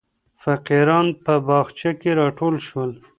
فقیران په باغچه کې راټول شول.